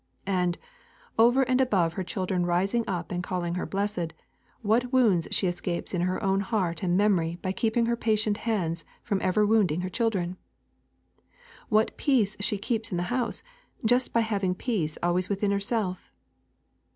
And, over and above her children rising up and calling her blessed, what wounds she escapes in her own heart and memory by keeping her patient hands from ever wounding her children! What peace she keeps in the house, just by having peace always within herself!